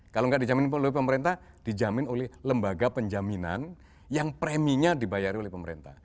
kalau nggak dijamin oleh pemerintah dijamin oleh lembaga penjaminan yang preminya dibayar oleh pemerintah